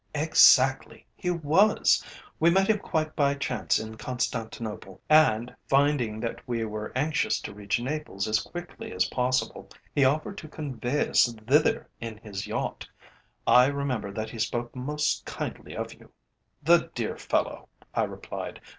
"Exactly! He was! We met him quite by chance in Constantinople, and, finding that we were anxious to reach Naples as quickly as possible, he offered to convey us thither in his yacht. I remember that he spoke most kindly of you." "The dear fellow!" I replied.